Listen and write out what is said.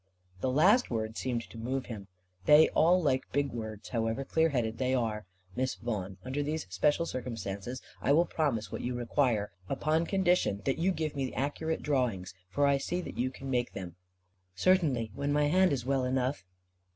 The last word seemed to move him. They all like big words, however clear headed they are. "Miss Vaughan, under these special circumstances, I will promise what you require; upon condition that you give me accurate drawings, for I see that you can make them." "Certainly, when my hand is well enough."